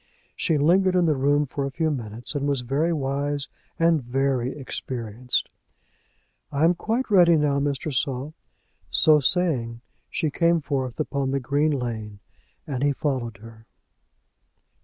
She lingered in the room for a few minutes, and was very wise and very experienced. "I am quite ready now, Mr. Saul." So saying, she came forth upon the green lane, and he followed her.